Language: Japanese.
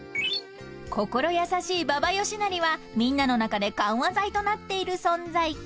［心優しい馬場良成はみんなの中で緩和剤となっている存在］